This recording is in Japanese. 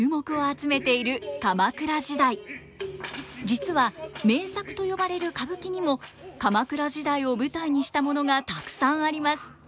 実は名作と呼ばれる歌舞伎にも鎌倉時代を舞台にしたものがたくさんあります。